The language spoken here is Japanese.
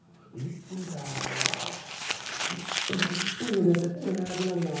１分かぁそっか１分１分よりは絶対長くなるな。